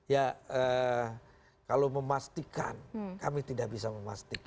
ya kalau memastikan kami tidak bisa memastikan